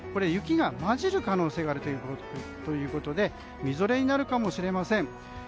雪が交じる可能性があるということでみぞれになるかもしれません。